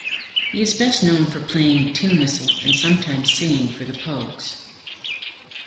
He is best known for playing tin whistle and sometimes singing for The Pogues.